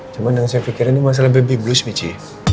cuman yang saya pikirin ini masalah baby blues michi